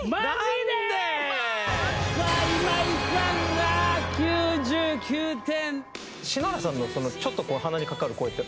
何で⁉今井さんが９９点！